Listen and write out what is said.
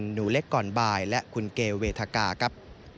หนูเล็กก่อนบายและคุณเกเวทกาครับ